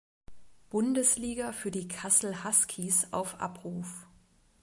Bundesliga für die Kassel Huskies auf Abruf.